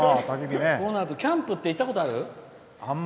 キャンプって行ったことある？